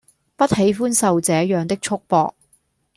不喜歡受這樣的束縛